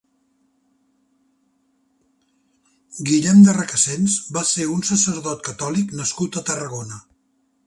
Guillem de Requesens va ser un sacerdot catòlic nascut a Tarragona.